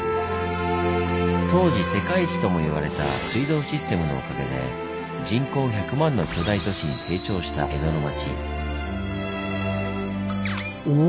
当時世界一とも言われた水道システムのおかげで人口１００万の巨大都市に成長した江戸の町。